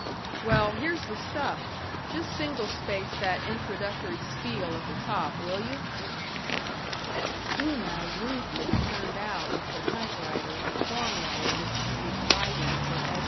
"Well, here's the stuff. Just single space that introductory spiel at the top, will you?" Una rudely turned out of her typewriter a form letter which she was writing for S.